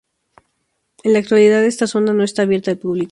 En la actualidad esta zona no está abierta al público.